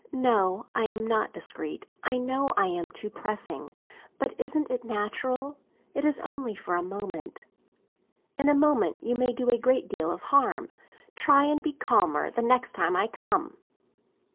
"No, I am not discreet; I know I am too pressing. But isn't it natural? It is only for a moment." "In a moment you may do a great deal of harm. Try and be calmer the next time I come."